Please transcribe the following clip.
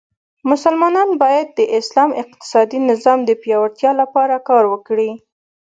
مسلمانان باید د اسلام اقتصادې نظام د پیاوړتیا لپاره کار وکړي.